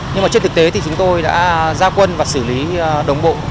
nhưng mà trên thực tế thì chúng tôi đã ra quân và xử lý đồng bộ